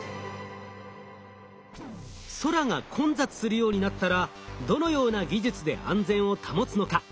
空が混雑するようになったらどのような技術で安全を保つのか？